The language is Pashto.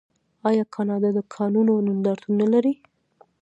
آیا کاناډا د کانونو نندارتون نلري؟